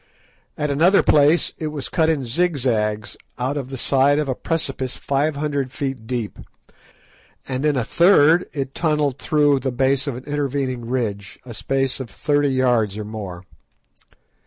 At another place it was cut in zigzags out of the side of a precipice five hundred feet deep, and in a third it tunnelled through the base of an intervening ridge, a space of thirty yards or more.